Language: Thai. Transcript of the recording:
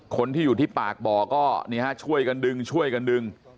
คนที่อยู่ที่ปากบ่อก็ช่วยกันดึงช่วยกันดึง